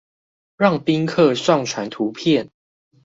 讓賓客上傳圖片